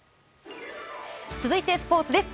続いてスポーツです。